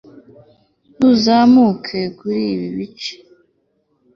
Ntuzamuke kuri ibi CK